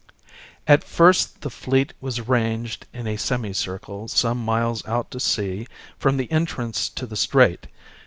At first the fleet was ranged in a semi circle some miles out to sea from the entrance to the strait.